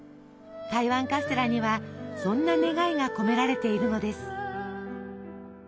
台湾カステラにはそんな願いが込められているのです。